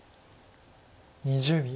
２０秒。